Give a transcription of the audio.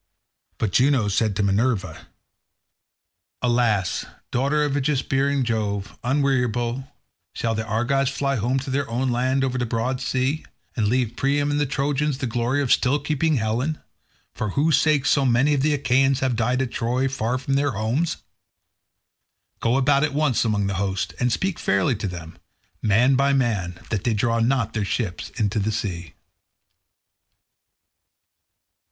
But Juno said to Minerva, "Alas, daughter of aegis bearing Jove, unweariable, shall the Argives fly home to their own land over the broad sea, and leave Priam and the Trojans the glory of still keeping Helen, for whose sake so many of the Achaeans have died at Troy, far from their homes? Go about at once among the host, and speak fairly to them, man by man, that they draw not their ships into the sea."